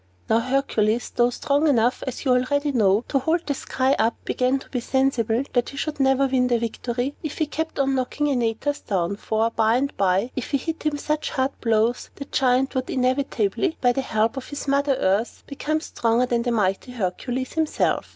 Now Hercules (though strong enough, as you already know, to hold the sky up) began to be sensible that he should never win the victory, if he kept on knocking Antaeus down; for, by and by, if he hit him such hard blows, the Giant would inevitably, by the help of his Mother Earth, become stronger than the mighty Hercules himself.